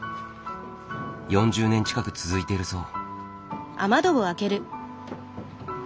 ４０年近く続いているそう。